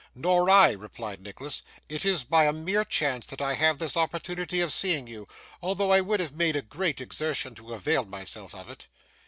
'Nor I,' replied Nicholas. 'It is by a mere chance that I have this opportunity of seeing you, although I would have made a great exertion to have availed myself of it.